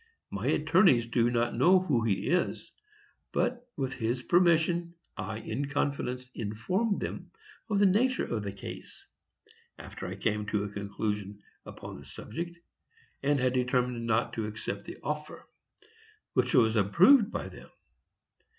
My attorneys do not know who he is, but, with his permission, I in confidence informed them of the nature of the case, after I came to a conclusion upon the subject, and had determined not to accept the offer; which was approved by them.